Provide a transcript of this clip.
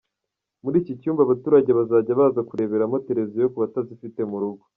Muri iki cyumba abaturage bazajya baza kureberamo televiziyo ku batazifite mu rugo.